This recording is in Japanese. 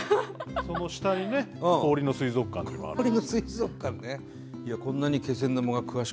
その下にね氷の水族館っていうのがあって。